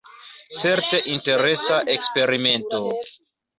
Certe interesa eksperimento.